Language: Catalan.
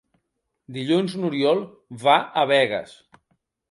Dilluns n'Oriol va a Begues.